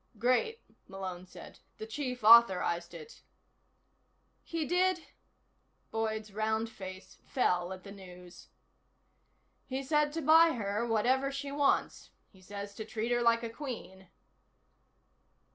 "Great," Malone said. "The Chief authorized it." "He did?" Boyd's round face fell at the news. "He said to buy her whatever she wants. He says to treat her like a Queen."